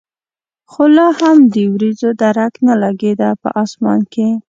خو لا هم د ورېځو درک نه لګېده په اسمان کې.